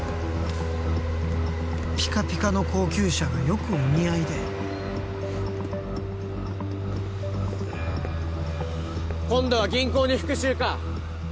ピカピカの高級車がよくお似合いで今度は銀行に復讐か？